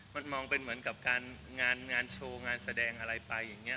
มันมองเป็นเหมือนกับการงานโชว์งานแสดงอะไรไปอย่างนี้